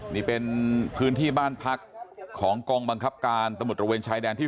นี่เป็นพื้นที่บ้านพักของกองบังคับการตำรวจระเวนชายแดนที่๑